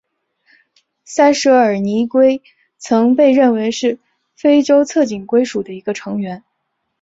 塞舌耳泥龟曾被认为是非洲侧颈龟属的一个成员。